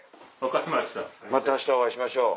また明日お会いしましょう。